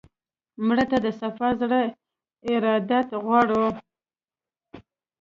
مړه ته د صفا زړه ارادت غواړو